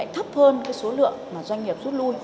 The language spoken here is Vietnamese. thấp hơn số lượng doanh nghiệp rút lui